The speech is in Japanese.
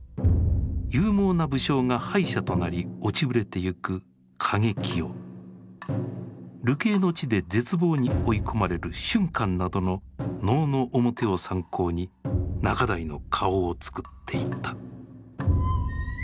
勇猛な武将が敗者となり落ちぶれてゆく「景清」流刑の地で絶望に追い込まれる「俊寛」などの能の面を参考に仲代の顔を作っていった。